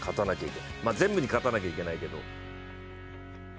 全部に勝たなきゃいけないけど。